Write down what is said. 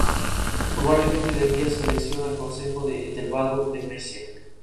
Aquí se destaca en el canto y en la ejecución del piano.